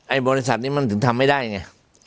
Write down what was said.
บริษัทนี้มันถึงทำไม่ได้ไง